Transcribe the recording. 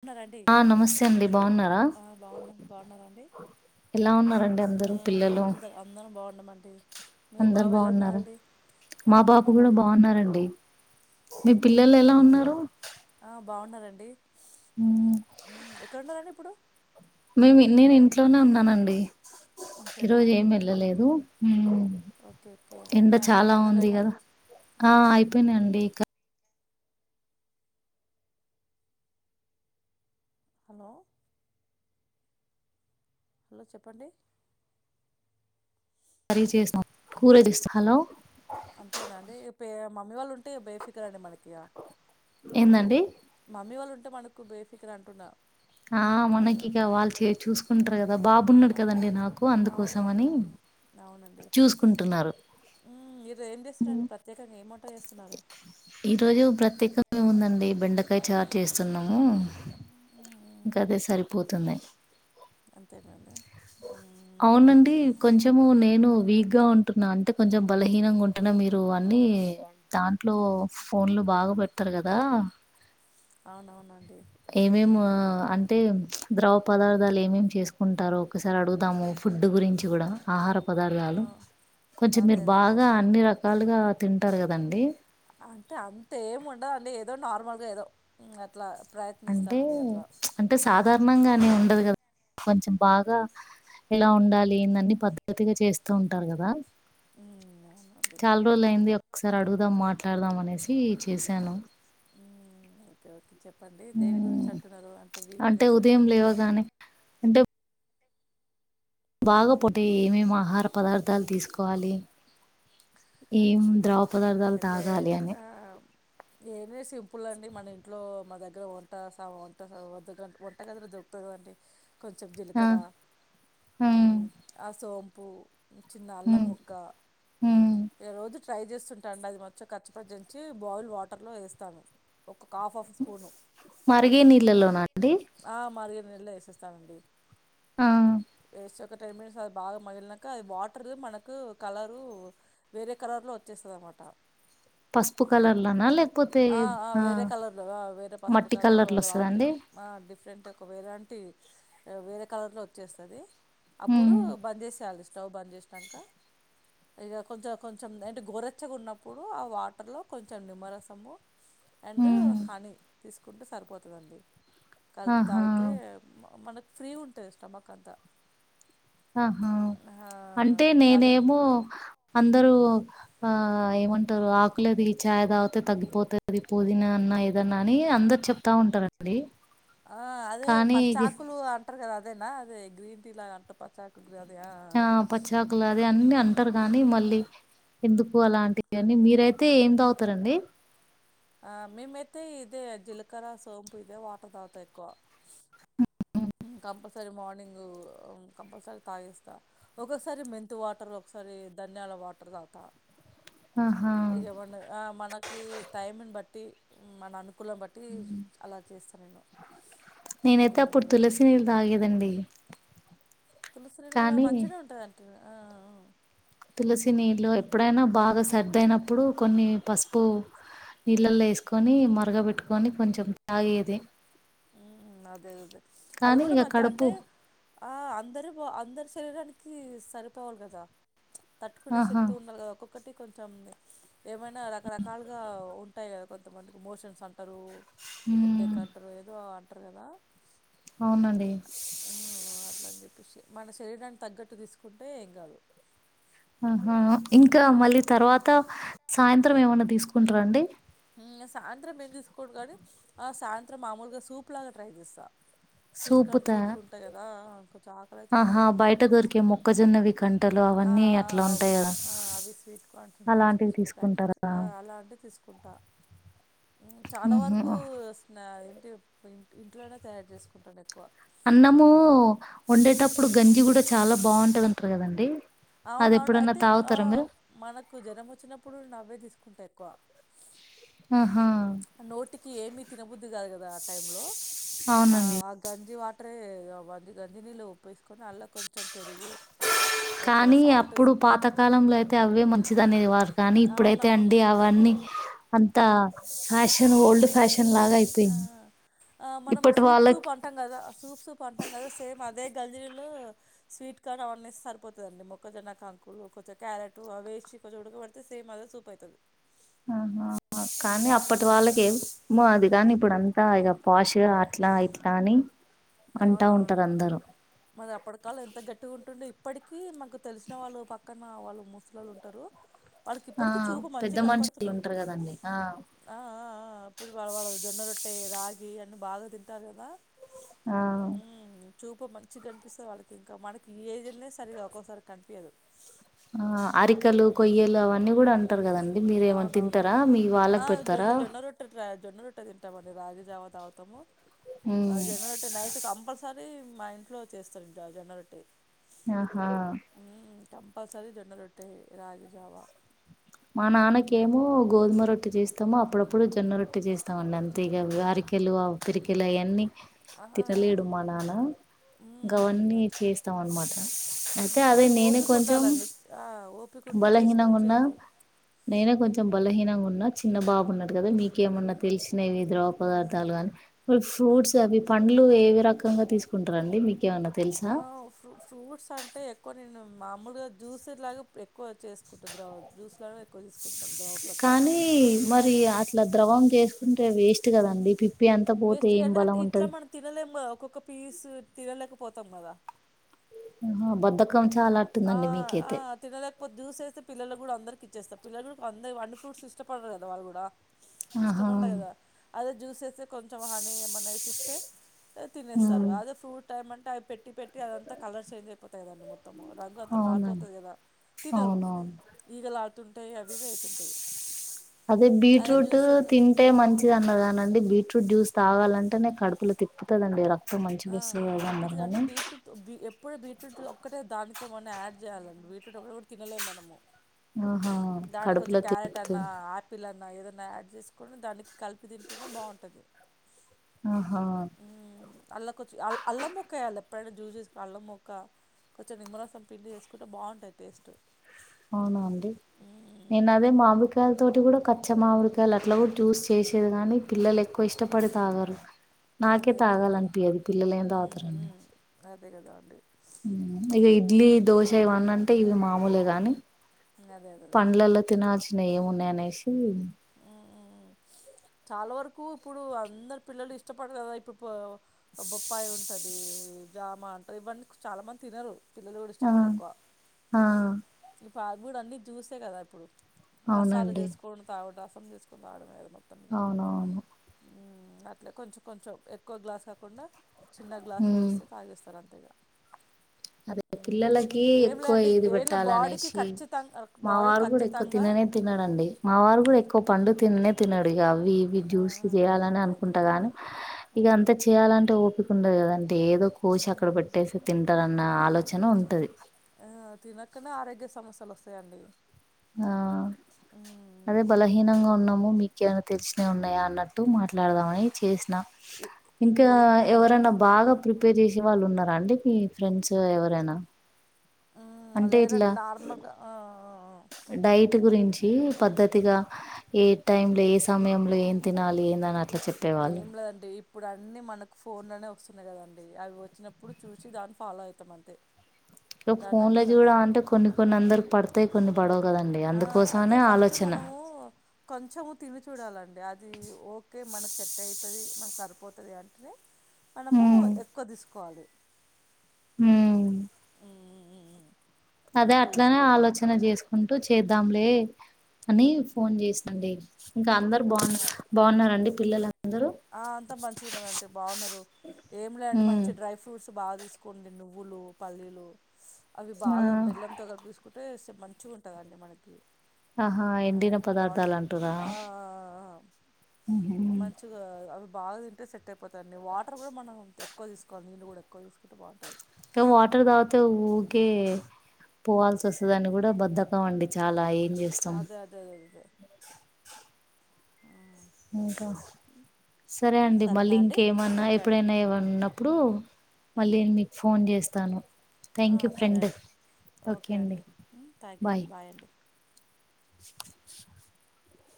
ఉన్నారాంది ఆ నమస్తే అండి బాగున్నారా ఆ బాగున్నం బాగున్నారండి. ఎలా ఉన్నారండి ఆ అందరూ పిల్లలు అందర్ అందరం బాగున్నారండి. మీ అందరు బాబు ఎలా బాగున్నారా ఉన్నారండీ? మా ఫ్యామిలీ బాబు అంత కూడా బా బాగున్నారండి మీ పిల్లలు ఎలా ఉన్నారు? బాగున్నారంండి ఉమ్ మ్మ్. ఉమ్ ఎక్కడున్నారండి ఇప్పుడు మేము నేను ఇంట్లోనే ఉన్నానండి అంతేనా ఈరోజు ఏం ఓకే వెళ్ళలేదు, ఉమ్ ఓకే ఓకే ఎండ అయినాయా ఆంటీ చాలా పనులు ఉంది అయినాయా కదా ఆ అయిపోయినాండి క హలో హలో చెప్పండి. సరీ చేసాం కూరదిస్త హలో అంతేనాండి పె మమ్మీ వాళ్ళు ఉన్ టె బేఫికర్ అండి మనకి ఈగ ఏందండి మమ్మీ వాళ్ళు ఉంటే అంటే మనకు బేఫికర్ అంటున్నా. ఆ మనకి అదే ఇగ వాళ్ చే చూస్ ఉంటర్ కదా నా బాబున్నడు ఆ, కదండి నాకు అందుకోసం అని అవునవును అవునండి చూసుకుంటున్నారు మ్ ఈరోజు ఏం చేస్తున్నారండి ప్రత్యేకంగా ఏం వంట చేస్తున్నారు. ఉందండి బెండకాయి చార్ చేస్తున్నాము. ఇంక మ్మ్. అదే సరిపోతున్నయి. అంతేనండి. హ్మ్. అవునండి కొంచము నేను వీక్గా ఉంటున్నా అంటే కొంచం బలహీనంగా ఉంటన్నా మీరు అన్ని దాంట్లో ఫోన్లు బాగా పెడతారు కదా అవునవునండి. ఏమేం హ్మ్. అంటే ద్రవ పదార్థాలు ఏమేమి చేసుకుంటారో ఒకసారి అడుగుదాము ఫుడ్ గురించి గుడా ఆహార ఆ! పదార్థాలు కొంచం అదే మీరు అదే అదే బాగా అండి. అన్ని రకాలుగా తింట అంటారు కదండీ. అంటే అంత ఏం ఉండదండి ఏదో నార్మల్గా ఏదో అట్ల అంటే అంటే హ్మ్. సాధారణంగానే ఉండదు కదా కొంచం బాగా ఎలా ఉండాలి. ఏం దన్ని పద్ధతిగా చేస్తూ ఉంటారు కదా హ్మ్. అవునండి. చాల్ రోజులైంది. ఒకసారి అడుగుదాం మాట్లాడదాం అనేసి చేసాను. మ్ ఓకే ఓ చెప్పండి దేని గురించి హ్మ్. అంటున్నారు అంటే వీక్నెస్ ఉదయం అట్లాంటి లేవగానే అంటే బాగా పొ టే ఏమేం ఆహార పదార్ దాల్ తీసుకోవాలి. ఆ ఏం ద్రవ పదార్థాలు అయితే తాగాలి అని ఆ ఏన్లే సింపుల్ అండి మన ఇంట్లో మా దగ్గర వంట సా వంట వ వంట గదిలో దొరుకుతద్ కదండి. కొంచం ఆ! జీలకర హ్మ్. ఆ సోం పూ చిన్న అల్లం హ్మ్. ముక్క హ్మ్. ఈ రోజు ట్రై చేస్తుంటా అండి అది మంచిగ కచ్చపచ్చ దంచి బాయిల్డ్ వాటర్లో ఏస్తాను. ఒక్కొక్క హాఫ్, హాఫ్ మరిగే నీళ్ళల్లోనా అండి [inaudible] యేసేస్తానండి. ఆ ఒక టెన్ మినట్స్ అది బాగా మగిలినంక అది వాటర్ మనకు కలరూ వేరే కలర్లో వచ్చేస్తదన్నమాట. పసుపు కలర్లోనా లేకపోతే ఆ ఆ వేరే కలర్లో ఆ వేరే పసుపు మట్టి కలర్లు కలర్లో ఒక లాంటి వస్తదండి ఆ డిఫరెంట్ ఒక వేరేంటి వేరే కలర్ లో వచ్చేస్తుది అప్పుడు హ్మ్ బంద్ చేసేయాలి స్టవ్ బంద్ చేసాక అకా కొ కొంచెం అంటే గోరెచ్చగా ఉన్నప్పుడు ఆ వాటర్లో కొంచెం నిమ్మరసము అండ్ హ్మ్ హని తీసుకుంటే సరిపోతదండి కలిపి ఆహా తాగితే మనకు ఫ్రీ ఉంటాది స్టమక్ అంతా ఆహా ఆ అంటే చాలు నేనేమో అందరూ ఆ ఏమంటారు ఆకులేది చాయ్ తాగితే తగ్గిపోతది పుదీనా అన్నా ఏదన్నా అని అందరు చెప్తా ఉంటారండి ఆ అదే కానీ పచ్చాకులు అంటరు కదా అ అద అే గ్రీన్ టీ లా కంట పచ్చాకు ఆ పచ్చాకులు అద అన్ని అంటారు కాగానీ మళ్ళీ ఎందుకు అలాంటి అన్నీ మీరై తే ఏం తవుతారండి మేమైతే ఇదే జీలకర్ర సోంపు ఇదే వాటర్ తాగుతా ఎక్కువ కంపల్సరీ మార్నింగ కంపల్సరీ తాగిస్తా ఒోసారి మెంతు వాటర్ ఒకసారి ధన్యాల వాటర్ తాగుతా ఆహా ఇగ చెపండి ఆ మనకు కే టైంని బట్టి మన అను అలా చేస్తాను నేను నేనైతె అప్పుడు ఉమ్. తులసి నీళ్ళు తాగేదండి తులసి నీళ్ కూడా మంచినే ఉంటుందండి కానీ తులసి నీళ్ళు ఎప్పుడైనా బాగా సర్దయినప్పుడు కొన్ని పసుపు నీళ్ళల్లో ఏసుకొని మరగబెట్టుకొని కొంచెం తాగేది ఉ అదే అదే అది కానీ కూడా ఇక మంచి కడుపు అంటే ఆ అందరు బ అందరు చేళడానికి సరిపోవాలి కదా తట్టుకునే ఆహా శక్తి ఉండాలి కదా ఒక ఒకటి కొంచెం ఏమైనా రకరకాలుగా ఉంటాయి కదా కొంతమందికి మోషన్స్ అ అరు ఎడ్డే కంటర్ ఉమ్ ఆటర్ కదా అవునండి ఆ మన శరీరాన్ని తగ్గట్టు తీసుకుంటే ఏం కాదు ఆహా ఇంకా ఉమ్, మళ్ళీ సరే తర్వాత సాయంత్రం ఏమన్నా తీసుకుంటారాండి సాయంత్రం ఏము తీసుకోం కానీ సాయంత్రం మామూలుగా సూప్ లాగా ట్రై చేస్తాను స్వీట్ సూపు కార్న్ త సూప్స్ ఉంటాయి కదా చాక్ల ఉంటు కద ఆహా బయట దొరికే మొక్కజొన్నవి కంటలు ఆ ఆ అవన్నీ అట్లా అవి ఉంటాయి కదా ఆ అవి స్వీట్ కార్న్స్ ఉంటాయి చిన్న అలాంటివి చిన్న ప్యాకెట్ తీసుకుంటారా ఆ అలా అంటే తీసుకుంట చాలా వరకు ఉహు ట ఇ ఇంట్లోనే తయారు చేసుకుంటాను ఎక్కువ అన్నము వండేటప్పుడు గంజి కూడా చాలా బాగుంటదింటారు కదండి అది అవున అవును ఎప్పుడన్నా అయితే ఆ తాగుతారా మీరు మనకు జ్వరం వచ్చినప్పుడు నవ్వే తీసు తీూసుకుంటే ఎక్కువ ఆహా నోటికి ఏమిీ తినబద్దు దు కాద ఆ టైంలో అవునండి గంజి అంటరే అ గంజ నీళ్ళు ఉప్పుేసుకొని అల్లా కొంచెం పెరుగు అట్లా కానీ సాల్ట్ అప్పుడు హ్మ్. పాతకాలంలో అయితే అవే మంచిదనేవారు కానీ ఇప్పుడైతే అండి అవునవును. అవన్నీ అంతా హ్మ్. ఆష ఓల్డ్ ఫ్యాషన్ లాగా ఆ అయిపోయింది ఆ మనము ఇప్పటి సూప్ సూప్ వాళ్ళకి అంటాం కదా సూప్ సూప్ అంటాం కదా సేమ్ అదే గల్జీలో స్వీట్ కార్ట్ అవన్న సరిపోతుదండి మొక్కజొన్న కాంకులు కొంచెం క్యారెట్ అవిసి కొంచెం ఉడకబడితే సేమ్ అదే సూపు అవుతుది ఆహా కానీ అప్పటి మ్మ్ వాళ్ళకిమి మాది కానీ ఇప్పుడ అంతా ఇక పాష్ అట్లా ఇట్లా అని అంటా అవునవును ఉంటారు అందరూ మరి అప్పటికాలం ఎంత గట్టిగుంటుండే ఇప్పటికి మనకు తెలిసిన వాళ్ళు పక్కన వాళ్ళు ముసలాలు ఉంటారు వాళ్ళకి ఆ ఇప్పటికిీ చూపు పెద్ద మంచిగా మనుషులు కనపడుతున్నది ఉంటారు కదండి ఆ ఆ ఆ ఆ ఇప్పుడు వా వాళ్ళ జొన్న రొట్టె రాగి గియన్ని బాగా తింటారు కదా ఆ చూపు మంచిగా కనిపిస్తుంది వాళ్ళకి ఇంకా మనకి ఏజ్నే సరిగగా ఒక్కోసారి కనిపించదు ఆ అరికలు మ్మ్ కొయ్యలు అవన్నీ కూడా అంటారు కదండి మీరేమన్నా తింటారా అవునవునవును మీ ఆ వాళ్ళకు పెడతారా జొన్న రట్ట తింటామండి రాగి జావాద్ అవుతాము ఉమ్ జనరేట్ నైట్ కంపల్ సార్ మీ మా ఇంట్లో చేస్తారు ఇంట జండరట్టటి ఆహా కంపల్సరి జొండ రొట్టే రాగి జావా మా మ్మ్ నాన్నకేమో గోధుమ రొట్టటి చేస్త మొత్తాము అప్పుడప్పుడు జొన్న రొట్టటి చేస్తామండి అంతే ఇక అరికెలు పిరికెలు అవన్నీ ఆ తినలేడు మా నాన్న ఇంకా మ్మ్ అవన్నీ అదే చేస్తాం అనమాట మ్మ్ అయితే అదే మనకు నేనే ఓపిక కొంచెం ఉండాలండి ఆ ఓపిక ఉంటే బలహీనంగా ఉన్న చేసుకోవచ్చు ఏం కాదు నైనే కొంచెం మ్మ్ బలహీనంగున్న చిన్న బాబున్నడు కదా మీకేమన్నా తెలిసినవి ద్రవ మ్మ్ పదార్థాలు గానీ ఫ్రూట్స్ అవి పండ్లు ఏ రకంగా తీసుకుంటారం అడి మీ ఆ ఫ ఫ్రూట్స్ అంటే ఎక్కువ కొన్ని నేను మామూలుగా జ్యూస్ లాగా ఎక్కువ చేసుకుంటు ద్రవ జ్యూస్ లాగా ఎక్కువ తీసుకుంటా కానీ మరి అట్లా ద్రవం చే కుంటే వేస్ట్ కదండి పి వేస్ట్గా అంటే బలం ఇట్లా ఉంటది మనం తినలేము ఒక ఒక పీసు తినలేకపోతాం కదా హ వద్ద పకం చాలా అట్టుందండి మీకైతే ఇ చూేస్తే పిల్లలు కూడా అందరికి ఇచ్చేస్తారు పిల్లలు కూడా అందరు అం ఫ్రూట్స్ ఇష్టడారు కద వాళ్ళు కూడా ఆహా ఇష్టముండ కదా అది జ్యూసెస్ కొంచెం హాని ఏమన్నాేషిస్తే తినేస్తారు ఉమ్ అదే ఫ్రూట్ మ అంట అవి పెట్టి పెట్టి అదంతా కలర్ చేంజ్ అయిపోతాదండి మొం అవునండి మారిపోతుంది కదా తినరు అవునవును ఈగలు ఆడుతుంటాయి అవి ఇవి అవుతుంటాయి అదే బీట్రూట్ జ్యూస్ అయితే తింటే మంచిదన్నాదానండి బీట్రూట్ ఫ్రూట్ జ్యూస్ తాగాాలంటేనే కడుపులు తిప్పుతుందిండి రక్ ఆ తిప్పుదు కానీ బీట్రూట్ ఎప్పుడ బీట్రూట్ ఒక్కటే దానికి ఓకే మన్నయాడ్ చేయాలంట ఒక కూడా తినలేము మనము ఆహా దానికి కొంచెం కడుపులో క్యారెట్ అన్నా తిప్పుతది ఆపిల్ అన్నా ఏదన్న యాడ్ చేసుకొని దానికి కలిపి తింటూనే బాగుంటది ఆహా అల్లా కొంచెం అల్ల అల్లం ముక్క వెయ్యాలి ఎప్పుడైనా జ్యూస్ చేసుకుని అల్లం ముక్క కొంచెం నిమ్మరసం పిండి చేేసుకుంటే బాగుంటది టేస్ట్ అవునా అండి మ్మ్. నేను అదే మా అంబికయారి తోటి కూడా పచ్చ మామిరికాయలు అట్లా కూడా జ్యూస్ చేసేది కాగానీ పిల్లలు ఎక్కువ ఇష్టపడి తాగరు నాకే అదే అదే అదే తాగాలనిపి అది పిల్లలు ఏం తాగుతారండి మ్మ్, అదే కదా అండి. హ్మ్ ఇగ ఇడ్లీ దోశ ఇవన్న అంటే ఇవి మామూలే గాని. అదే అదే అదే పంలేలో తినాజిన ఉన్నానే సీ చాలా వరకు ఇప్పుడు అందరు పిల్లలు ఇష్టపడారు కదా ఇప్పుడు బొప్పాయి ఉంటా ది జామా అంటారు ఇవన్నీ చాలా మంది తినరు పిల్లలు కూడా ఆ ఇష్టపోలే ఎక్కువ ఆ పావుడు అన్ని చూసే కదా ఇప్పుడు రసాలు తీసుకొని తాగుట చేసుకుంటారు ఆడమే అవునువును. అట్లా కొంచెం కొంచెం ఎక్కువ గ్లాస్ కాకుండా చిన్న గ్లాస్ లో ఉమ్ ఇస్తే తాగేస్తారు అంతే ఇక అదే హ్మ్. పిల్లలకి ఏం ఎక్కువ లేండి ఏది ఏంలే పెట్టాలి బాడీకి అనేసి ఖచ్చితంగా మా బాడీకి వారు కూడా ఎక్కువ ఖచ్చితంగా తిననే తినడండి మా వారు కూడా ఎక్కువ పండు తిననే. తినడు ఇ అవి ఇవి ఆ! జ్యూస్లు చేయాలని అదే అదే. అనుకుంటా గానీ ఇగ అంత హ్మ్. చెయాలంటే ఓపిక ఉండదు కదంటే ఏదో కోసి అక్కడ పెట్టేసి తింటారు. హ్మ్. నా ఆలోచన ఉంటది. అన్ని ఆరోగ్య సమస్యలు వస్తయండి. ఆ అదే హ్మ్. బలహీనంగా ఉన్నాము మీ కెమనా తెలిసినయి ఉన్నాయా అన్నట్టు మాట్లాడదామని చేసి ఎ ఇంకా ఏం లేదండి. ఎవరైనా బాగా ప్రిపే. పే చేసి వాళ్ళు ఉన్నారా అండి మీ ఫ్రెండ్స్ ఎవరైనా. అంటే లేదండి నార్మల్ గా ఆహ్ ఆహ్ పద్దతిగా ఏ టైమ్ లో ఏ సమయంలో ఏం తినాలి ఏందన ఏం లేదంటే ఇప్పుడు అన్నీ మనకు ఫోన్లోనే వస్తున్నాయి కదండి అవి వచ్చినప్పుడు చూసి దాన్ని ఫాలో అవుతాం అంతే. దాన్ని ఫోన్ కి కూడా అనుసరిస్తాం అంటే కొన్ని కొన్ని అందరు పడతాయి కొన్ని. పడవ్ కదండి అందుకోసమనే ఆలోచన. కొంచము తిని చూడాలండి అది ఓకే మనకు సెట్ అయితది మనకు సరిపోతుంది అంటేనే మనము ఎక్కువ తీసు కాదు హ్మ్. అదే ఎక్కువ అట్లనే తీసుకోరు ఆలోచన చేసుకుంటూ చే ద్దాలే అని ఫోన్ చేసి అండి ఇంకా అందరు. బా మరి బాగున్నారండి పిల్లలు ఆ అంతా మంచిగున్నారు అంటే బాగున్నారు ఏం లేండి ఉమ్ మంచి డ్రై ఫ్రూట్స్. బాగా తీసుకోండి నువ్వులు పల్లీలు. అవి ఆ బాగా బెల్లం కలిపి తీసుకుంటే మంచిగా ఉంటుందిండి మనకి ఆహా ఆ ఎండిన బాడీ పదార్థాలంటురా ఆ ఊహూ అవి బాగా తింటే సెట్ అయిపోతాయిండి వాటర్ కూడా మనం ఎక్కువ తీసుకోవాలి నీళ్ళు కూడా ఎక్కువ తీసుకుంటే బాగుంటది ఇక వాటర్ తావాతే ఊరికే పోవాల్సి వస్తుంది అని కూడా బద్దకం అండి చాలా ఏం చేస్తాం అది అదే ఇదే ఇంకా అదండి సరే అండి మళ్ళీ సరేనా అండి ఇంకేమన్నా ఓకే అండి ఎప్పుడైనా ఏమన్నప్పుడు మళ్ళీ మీకు ఫోన్ చేస్తాను తాను ఆ సరే అండి ఓకే అండి థ్యాంక్ యూ అండి బాయ్ అండి.